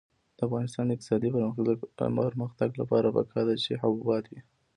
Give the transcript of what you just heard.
د افغانستان د اقتصادي پرمختګ لپاره پکار ده چې حبوبات وي.